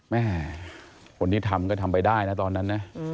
แม่คนที่ทำก็ทำไปได้นะตอนนั้นนะ